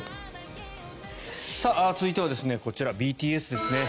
続いてはこちらＢＴＳですね。